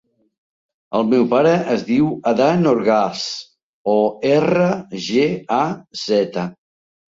El meu pare es diu Adán Orgaz: o, erra, ge, a, zeta.